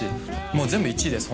もう全部１位です